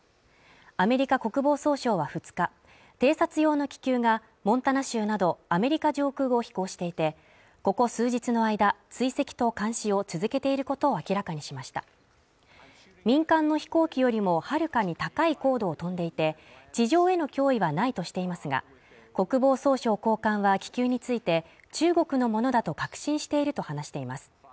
アメリカ国防総省は２日偵察用の気球がモンタナ州などアメリカ上空を飛行していてここ数日の間追跡と監視を続けていることを明らかにしました民間の飛行機よりもはるかに高い高度を飛んでいて地上への脅威はないとしていますが国防総省高官は気球について中国のものだと確信していると話しています